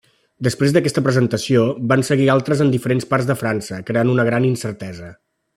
Després d'aquesta presentació van seguir altres en diferents parts de França, creant una gran incertesa.